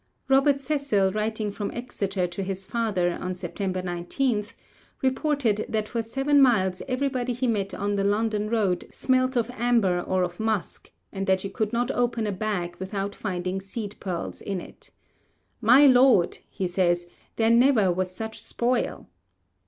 Robert Cecil, writing from Exeter to his father on September 19, reported that for seven miles everybody he met on the London road smelt of amber or of musk, and that you could not open a bag without finding seed pearls in it. 'My Lord!' he says, 'there never was such spoil.'